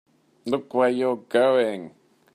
Look where you're going!